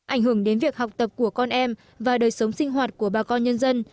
ảnh hưởng đến việc học tập của con em và đời sống sinh hoạt của bà con nhân dân